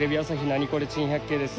『ナニコレ珍百景』です。